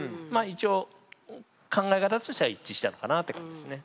一応考え方としては一致したのかなって感じですね。